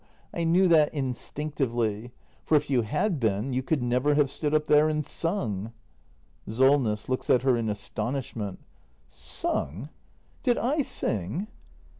I knew that instinctively. For if you had been, you could never have stood up there and sung. SOLNESS. [Looks at her in astonishment.] Sung? Did i" sing?